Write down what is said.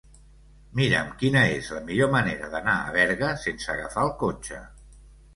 Mira'm quina és la millor manera d'anar a Berga sense agafar el cotxe.